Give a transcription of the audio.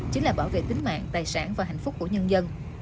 chính là bảo vệ tính mạng tài sản và hạnh phúc của nhân dân